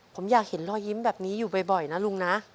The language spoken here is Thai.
ผมอยากเห็นรอยยิ้มแบบนี้อยู่บ่อยนะลุงนะ